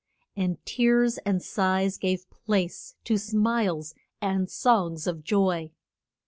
And tears and sighs gave place to smiles and songs of joy.